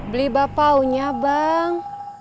beli bapaunya bang